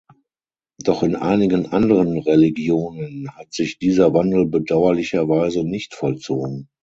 Doch in einigen anderen Religionen hat sich dieser Wandel bedauerlicherweise nicht vollzogen.